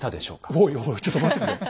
おいおいちょっと待ってくれ。